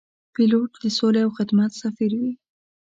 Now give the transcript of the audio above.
پیلوټ د سولې او خدمت سفیر وي.